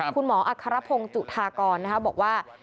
คุณหมออัทนรพงศ์จุธากรบอกว่า